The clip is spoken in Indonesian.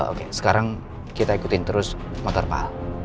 oke sekarang kita ikutin terus motor pak al